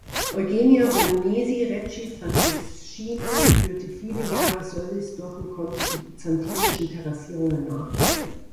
Eugenia Bolognesi Recchi-Franceschini führte viele Jahre Surveys durch und konnte die byzantinischen Terrassierungen nachweisen.